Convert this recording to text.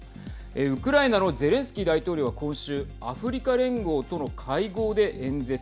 ウクライナのゼレンスキー大統領は今週アフリカ連合との会合で演説。